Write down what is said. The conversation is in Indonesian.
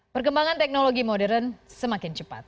perkembangan teknologi modern semakin cepat